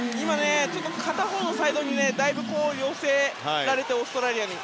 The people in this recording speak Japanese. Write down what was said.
片方のサイドにだいぶ寄せられてオーストラリアに。